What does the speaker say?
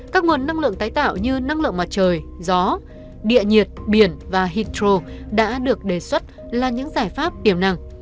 các nguồn năng lượng tái tạo như năng lượng mặt trời gió điện nhiệt biển và hydro đã được đề xuất là những giải pháp tiềm năng